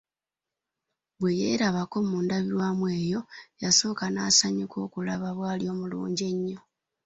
Bwe yeerabako mu ndabirwamu eyo, yasooka n'asanyuka okulaba bw'ali omulungi ennyo.